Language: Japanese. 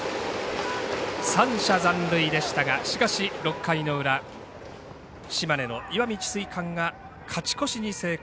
３者残塁でしたがしかし６回の裏島根の石見智翠館が勝ち越しに成功。